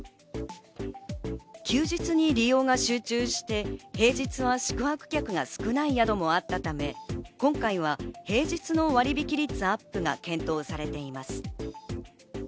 休日に利用が集中して平日は宿泊客が少ない宿もあったため、今回は平日の割引率アップが検討されています。